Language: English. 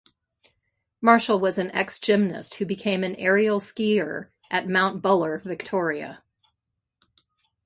Marshall was an ex-gymnast who became an aerial skier at Mount Buller, Victoria.